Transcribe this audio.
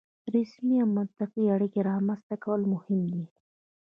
رسمي او منطقي اړیکې رامنځته کول مهم دي.